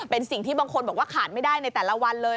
เป็นสิ่งที่บางคนบอกว่าขาดไม่ได้ในแต่ละวันเลย